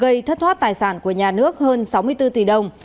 gây thất thoát tài sản của nhà nước hơn sáu mươi bốn tỷ đồng